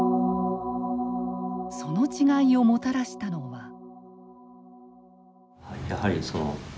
その違いをもたらしたのは。